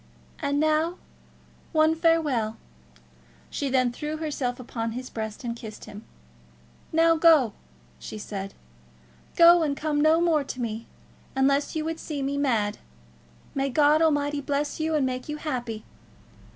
"And now, one farewell." She then threw herself upon his breast and kissed him. "Now, go," she said; "go, and come no more to me, unless you would see me mad. May God Almighty bless you, and make you happy!"